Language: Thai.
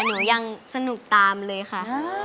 หนูยังสนุกตามเลยค่ะ